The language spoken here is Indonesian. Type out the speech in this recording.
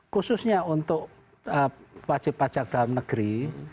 khususnya untuk wajib pajak dalam negeri